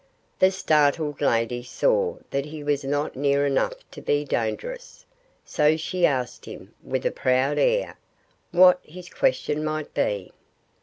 The startled lady saw that he was not near enough to be dangerous. So she asked him, with a proud air, what his question might be.